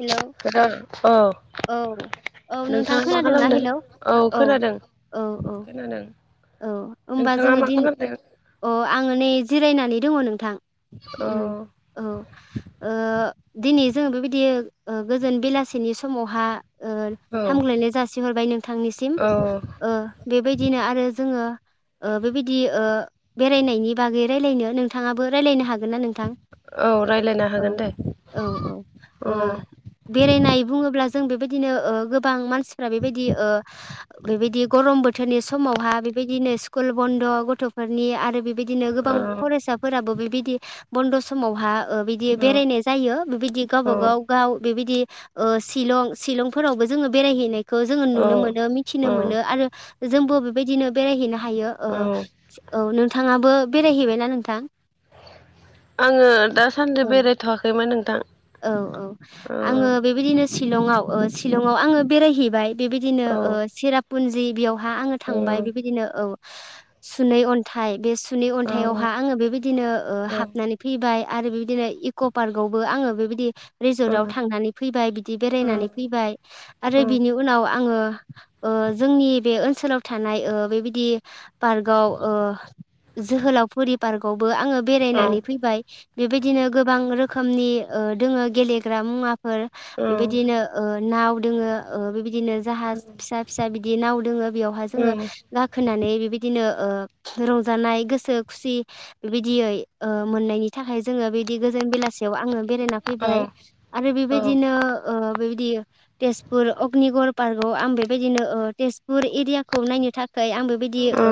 Hello औ। औ औ नोंथां नोंथांङा मा खोनादोंना खालामदों? हेलौ औ खोनादों औ औ खोनादों। औ होमबा नोंथाङा जोंङो मा दिनै खालामदों अ आंङो नै जिरायनानै दंङ नोंथां। औ उम औ ओ दिनै जों बेबायदि ओ गोजोन बेलासिनि समावहा ओ औ हामग्लायनाय जासिहरबाय नोंथांनिसिम औ ओ बेबायदिनो आरो जोंङो ओ बेबायदि ओ बेरायनायनि बागै रायलायनो नोंथांङाबो रायज्लायनो हागोन ना नोंथां? औ रायलायनो थां हागोन दे औ औ औ औ ओ बेरायनाय बुंङोब्ला जों बेबायदिनो ओ गोबां मानसिफ्रा बेबायदि ओ बेबायदि गरम बोथोरनि समावहा बेबायदिनो स्कुल बन्द' गथ'फोरनि आरो बेबायदिनो औ गोबां फरायसाफोराबो बे बिदि बन्द' समावहा ओ बिदि बेरायनाय जायो बेबायदि औ गावबागाव गाव बेबायदि ओ शिलं शिलंफोरावबो जोंङो बेरायहैनायखौ जोंङो औ नुनो मोनो मिथिनो औ मोनो आरो जोंबो बेबायदिनो बेरायहैनो हायोओ औ नोंथांङाबो बेरायहैबायना नोंथां? आंङो दासान्दि औ बेरायथ'आाखैमोन औ औ आंङो बेबायदिनो शिलंआव शिलंआव आंङो बेरायहैबाय। बेबायदिनो औ ओ सिरापुन्जि बेयावहा आंङो औ थांबाय बेबायदिनो औ। सुनै अन्थाइ बे सुनै औ अन्थाइावहा आंङो बेबायदिनो ओ हाबनानै फैबाय। आरो बिदिनो इक' पार्कआवबो आंङो बेबायदि औ रेजर्टआव थांनानै फैबाय बिदि बेरायनानै फैबाय आरो बिनि उनाव आंङो ओ जोंनि बे ओनसोलाव ओ थानाय बेबायदि पार्कआव ओ जोहोलावफुरि पार्कआवबो आंङो बेरायनानै फैबाय बेबायदिनो गोबां रोखोमनि ओ दोंङो गेलेग्रा मुवाफोर बेबायदिनो ओ नाव दोंङो ओ बेबायदि बिदिनो जाहा फिसा फिसा बिदि नाव दोंङो बेयावहााय जोंङो औ गाखोनानै बेबायदिनो ओ रंजानाय गोसो खुसि बेबायदियै ओ मोननायनि थाखाय जोंङो बिदि गोजोन जों बेलासायाव आंङो बेरायना फैबाय आरो बेबायदिनो ओ बेबाय दि तेजपुर अग्निगऱ पार्कआव आं बेबायदिनो ओ तेजपुर एरियाखौ नायनो थाखाय आं बेबायदि ओ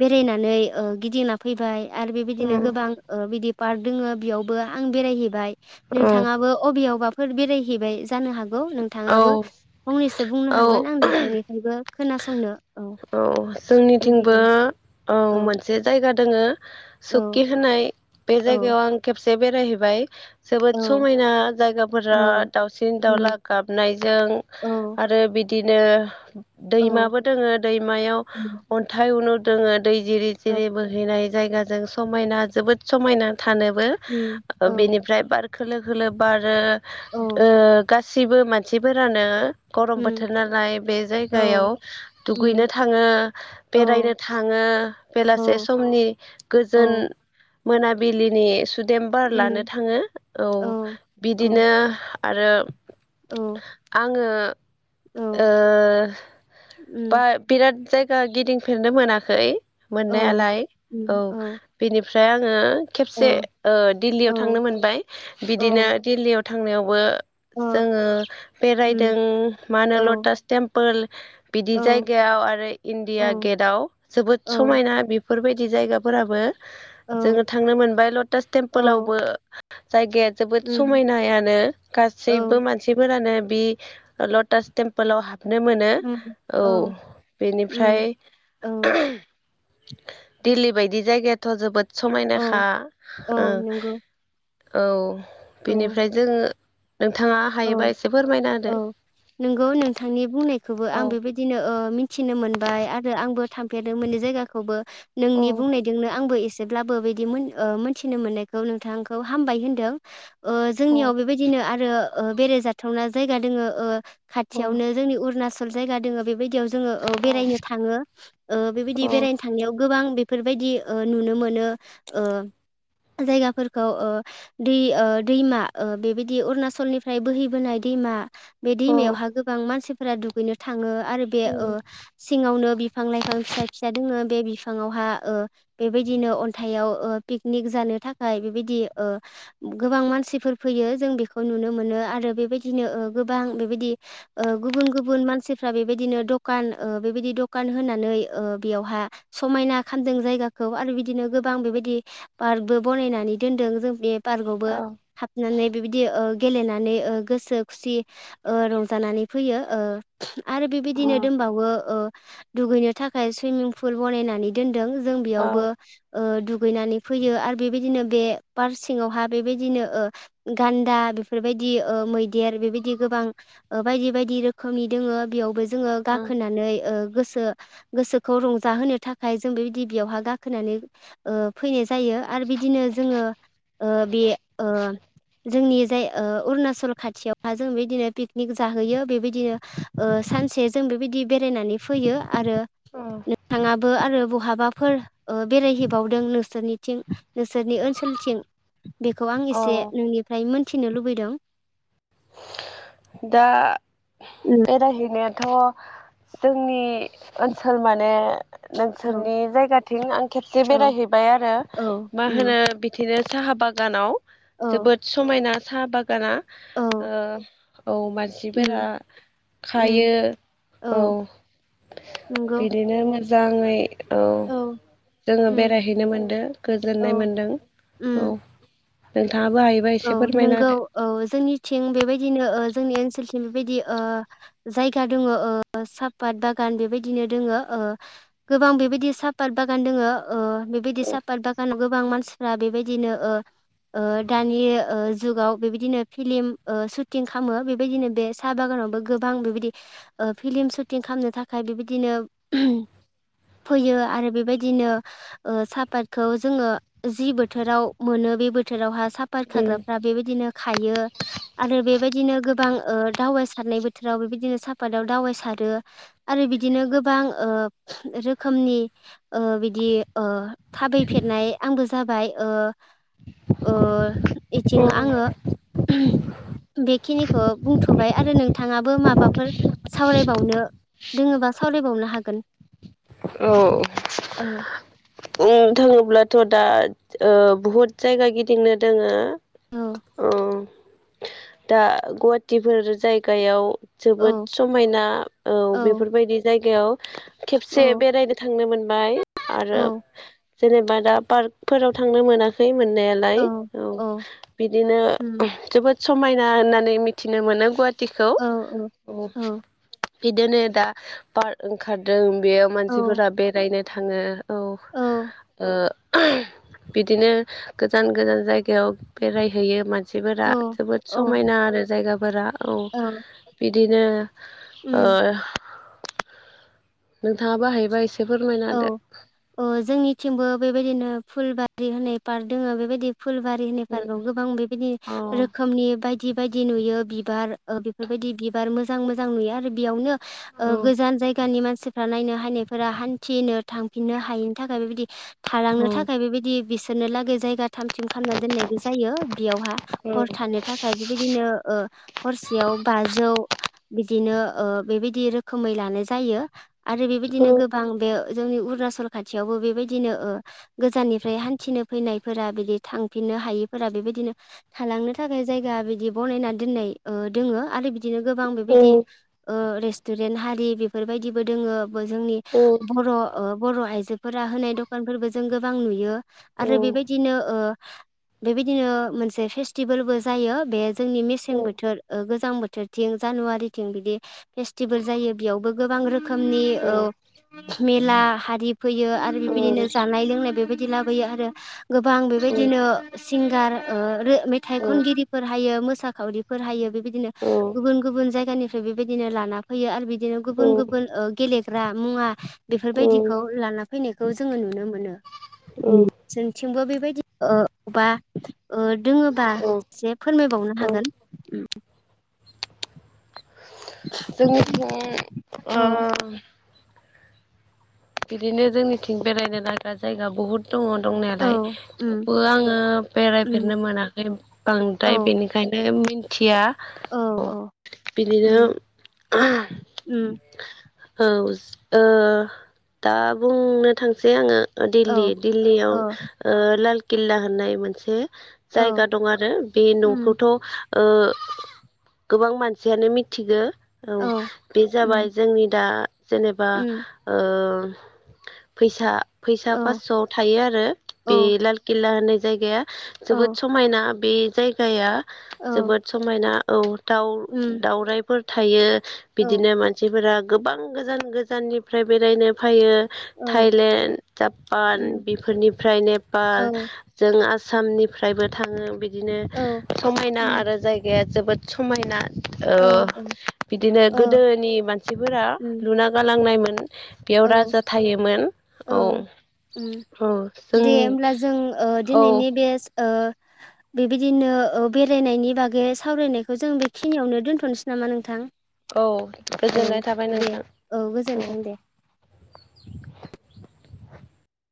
बेरायनानै ओ गिदिंना फैबाय। आरो बेबायदिनो गोबां ओ बिदि पार्क दोंङो बेयावबो आं बेरायहैबाय। नोंथांङाबो अबेयावबाफोर बेरायहैबाय जानो हागौ नोंथांङाबो फंनैसो बुंनो औ औ हागोन आं नोंथांनिफ्रायबो खोनासंनो औ जोंनिथिंबो लुबैदों औ मोनसे जायगा दोंङो औ सुखि होनाय बे औ जायगायाव आं केेबसे बेरायहैबाय। जोबोद औ समायना जायगाफोरा औ उम दावसिन-दावउला गाबनायजों औ आरो बिदि बिदिनो औ दैमाबो दोंङो दैमायाव औ अन्थाइ उनु दोंङो। दै जिरि जिरि बोहैनाय जायगाजों समायना जोबोद समायना। थानोबो उम औ बेनिफ्राय बार खोलो खोलो बारो औ ओ गासिबो मानसिफोरानो गरम उम बोथोर नालाय बे जायगा औ जायगायाव दुगैनो उम थांङो औ बेरायनो थांङो औ बेलासे समनि गोजोन औ मोनाबिलिनि सुदेमबार उम लानो थांङो औ बिदिनो आरो औ आङो ओ औ बा उम बिराद जायगा गिदिंफेरनो मोनाखै औ मोननायालाय औ बेनिफ्राय आङो औ खेबसे ओ दिल्लीयाव थांनो नंगौ मोनबाय बिदिनो दिल्लीयाव थांनायावबो जोङो बेरायदों मा होनो लटास टेम्पोल बिदि जायगायाव आरो इणडिया औ गेटआव जोबोद समायना बेफोरबायदि जायगाफोराबो जोङो थांनो मोनबाय लटास टेम्पोलावबो जायगाया जोबोद समायनायानो गासैबो मानसिफोरानो बि लटास टेमपोलाव हाबनो मोनो औ बेनिफ्राय दिल्ली बायदि जायगायाथ' जोबोद समायनाखा औ बेनिफ्राय जोङो नोंथाङा औ हायोबा एसे फोरमायना औ होदो औ बिदिनो मिथिनो मोनबाय आरो आंबो थांफेरदों मोनदो जायगाखौबो नोंनि औ बुंनायजोंनो आंबो एसे जेब्लाबो बिदि मोन ओ मोनथिनो मोननायखौ नोंथांखौ हामबाय होनदों जोंनियाव औ बेबायदिनो आरो बेराय जाथावना जायगा दोङो औ खाथियावनो जोंनि अरुणाचल जायगा दङो बेबायदियाव जोङो बेरायनो थाङो ओ बेबायदि औ बेरायनो थांनायाव गोबां बेफोरबायदि ओ नुनो मोनो ओ जायगाफोरखौ ओ दै ओ दैमा बेबायदि अरुणाचलनिफ्राय ओमफ्राय बोहैबोनाय दैमा बे दैमायावहा गोबां मानसिफोरा दुगैनो थाङो आरो बे ओ सिङावनो बिफां लाइफां फिसा फिसा दोंनो बे बिफाङावहा ओ बेबायदिनो अन्थाइाव ओ पिकनिक जानो थाखाय बेबायदि ओ गोबां मानसिफोर फैयो जों बेखौ नुनो मोनो आरो बेबायदिनो ओ गोबां बेबायदि ओ गुबुन गुबुन मानसिफ्रा बेबायदिनो दखान ओ बेबायदि दखान होनानै ओ बेयावहा समायना खालामदों जायगाखौ आरो बिदिनो गोबां बे बेबायदि पार्कबो बानायनानै दोनदों जों बे पार्कआवबो हाबनानै बेबायदि गेलेनानै ओ गोसो खुसि ओ रंजानानै फैयो ओ आरो बेबायदिनो औ दोनबावो ओ दुगैनो थाखाय सुइमिं पुल बनायनानै दोनदों जों बेयावबो औ दुगैनानै फैयो आरो बेबायदिनो बे पार्रक ङावहा बेबायदिनो गान्दा बेफोरबायदि ओ मैदेर बेबायदि गोबां ओ बायदि बायदि रोखोमनि दङ बेयावबो जोङो गाखोनानै ओ गोसो गोसोखौ रंजा होनो थाखाय जों बेबायदि बियावहा गाखोनानै ओ फैनाय जायो आरो बिदिनो जोङो ओ बे ओ जोंनि जाय ओ अरुणाचल खाथियावहा जों बेदिनो पिकनिक जाहैयो बेबायदिनो ओ सानसे जों बेबायदिनो बेरायनानै फैयो आरो नोंथाङा बो आरो बहाबाफोर ओ बेरायहैबावदों नोंसोरनिथिं नोंसोरनि ओनसोलथिं बेखौ आं औ एसे नोंनिफ्राय मोनथिनो लुबैदों दा बेरायहैनाया थ' जोंनि ओनसोल माने औ नोंसोरनि जायगाथिं आं खेबसे औ बेरायहैबाय आरो औ मा उम होनो बिदिनो साहा बागानाव औ जोबोद समायना साहा बागाना औ औ मानसिफोरा उम उम खायो औ नंगौ बिदिनो मोजाङै औ जोङो उम बेरायहैनो मोनदों औ गोजोननाय मोनदों उम औ नोंथाङाबो हायोबा औ एसे फोरमायना नंगौ औ जोंनिथिं बेबायदिनो जोंनि ओनसोलथि बेबायदि ओ जायगा दङ अ साहापात बागान बेबायदिनो दङो अ ओ गोबां बेबायदि सापात बागान दोङो अ बेबायदि होदो सापात बागानाव गोबां मानसिफ्रा बेबायदिनो ओ ओ दानि ओ जुगाव बेबायदिनो फिलिम ओ सुटिं खालामो बेबायदिनो बे साहा बागानावबो गोबां बां बेबायदि अ फिल्म सुटिं खालामनो थाखाय बेबायदिनो फैयो आरो बेबायदिनो अ साहापातखौ जोङो जि बोथोराव मोनो बे बोथोरावहा साफात खाग्राफ्रा बेबायदिनो खायो आरो बेबायदिनो गोबां अ दावाइ सारनाय बोथोराव बेबायदिनो सापताव दावाइ सारो आरो बिदिनो गोबां अ रोखोमनि अ बिदि अ थाबायफेर फेरनाय आंबो जाबाय अ अ औ एथिं आङो बेखिनिखौ बुंथ'बाय आरो नोंथाङाबो माबाफोर सावरायबावनो दोङोबा सावरायबावनो हागोन औ ओ थोङोब्लाथ' दा बुहुद जायगा गिदिंनो दोङो औ दा गुवाहाटीफोर जायगायाव जोबोद औ समायना औ बेफोरबायदि जायगायाव खेबसे औ बेरायनो थांनो मोन बाय औ आरो जेनेबा दा पार्कफोराव थांनो मोनाखै मोननायालाय औ बिदिनो उम जोबोद समायना होननानै मिथिनो मोनो गुवाहाटीखौ औ औ बिदिनो दा पार्क ओंखारदों बेयाव औ मानसिफोरा बेरायनो थाङो औ ओ बिदिनो गोजान गोजान जायगायाव बेरायहैयो मान सिफोरा औ जोबोद औ समायना आरो जायगाफोरा औ बिदिनो, ओ उम नोंथाङा बो हायोबा एसे फोरमायना औ औ जोंनिथिंबो बेबायदिनो फुलबारि होननाय पार्क दोङ बेबायदि, फुलबारिनि होननाय पार्काव गोबां बेबायदि होदो रोखोमनि बायदि बायदि नुयो। नुयो बिबार ओ बेफोरबायदि बिबार मोजां मोजां नुयो आरो बेयावनो, अ गोजान जायगानि मानसिफ्रा नायनो हायानायफोरा हान हानथिनो थांफिननो हायिनि थाखाय बेबायदि औ थालांनो थाखाय बेबायदि बिस दोननोलागै जायगा थाम थिम खालामना दोननायबो जे जायो बेयावहा हर औ थानो थाखाय बेबायदिनो ओ हरसेयाव बाजौ बिदिनो अ बेबायदि रोखोमै लानाय जायो। आरो बेबायदिनो गोबां बे जोंनि अरुणनाचल खाथियावबो बेबायदिनो ओ गोजाननिफ्राय हान्थिनो फैनायफोरा बिदि थांफिननो हायिफोरा बेबायदिनो थालांनो थाखाय जायगा बिदि बनायना दोननाय, ओ दोङो आरो बि दिनो गोबां औ बेबायदि अ रेस्तुरेन्ट हारि बेफोरबायदिबो दोङो जोंनि, औ बर' बर' आइजोफोरा होनाय दखानफोरबो जों गोबां नुयो औ औ आरो बेबायदिनो ओ, बेबायदिनो मोनसे फेस्टिभेलबो जायो बे जोंनि मेसें औ बोथोर ओ गोजां बोथ बोथोरथिं जानुवारिथिं बिदि फेस्टिभेल जायो बेयावबो गोबां रोखोमनि औ मेला हारि फैयो आरो बेबायदिनो जानाय लोंनाय बेबायदि लाबोयो आरो गोबां बेबायदिनो सिंगार ओ रो मेथाइ खनगिरिफोर हायो। मोसा खावरिफोर हायो बेबायदिनो गुबुन गुबुन जायगानिफ्राय बेबायदिनो लाना फैयो आरो बिदि, बिदिनो गुबुन गुबुन ओ गेलेग्रा मुवा बेफोरबायदिखौ लाना फैनायखौ जोङो नुनो मोनो, मोनो औ जोंथिंबो बेबायदि ओ बा अ दोङोबा औ एसे फोरमायबावनो औ हागोन, जोंनिथिं औ ओ बिदिनो जोंनिथिं बेरायनो नाग्रा जायगा बुहुद। दङ औ दंनायालाय उम थेवबो आङो उम बेरायफेरनो मोनाखै औ बांद्राय बेनिखायनो। बे मिन खोथिया औ अ औ बिदिनो। उम उम औ ओ दा बुंनो थांसै आङो। औ दिल्ली दिल्लीयाव औ ओ लाल किल्ला होननाय मोनसे। औ जायगा दं आरो बे उम न'खौथ'। ओ गोबां मानसियानो मिथिगौ। औ बे जाबाय उम जोंनि दा जेनेबा उम ओ। फैसा फैसा औ पासस'आव थायो आरो बे औ लाल किल्ला होननाय जायगाया। औ जोबोद समायना बे जायगाया औ जोबोद समायना औ। दाउ उम दाउराइफोर थायो औ बिदिनो मानसिफोरा। गोबां गोजान गोजाननिफ्राय बेरायनो फैयो। औ थाइलेण्ड, जापान उम बेफोरनिफ्राय औ नेपाल जों आस आसामनिफ्रायबो थाङो बिदिनो औ समायना उम आरो जायगाया जोबोद समायना। औ ओ बिदिनो औ गोदोनि मानसिफोरा उम लुना गालांनायमोन। बेयाव औ राजा थायोमोन औ। उम औ जों दे होमब्ला जों ओ औ। दिनैनि बे ओ बेबायदिनो ओ बेरायनायनि बागै सावरायनायखौ जों बेखिनियावनो दोन्थ'नोसै नामा नोंथां। औ औ गोजोननाय थाबाय दे नोंथां औ। गोजोन्थों दे [unintelligible]